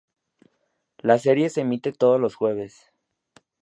La serie se emite todos los jueves.